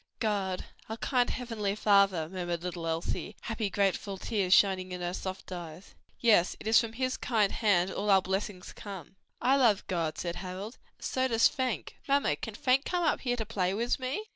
"God, our kind heavenly Father," murmured little Elsie, happy, grateful tears shining in her soft eyes. "Yes, it is from his kind hand all our blessings come." "I love God," said Harold, "and so does Fank: Mamma, can Fank come up here to play wis me?"